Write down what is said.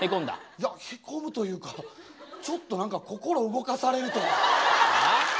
いやへこむというかちょっと何か心動かされるというか。はあ？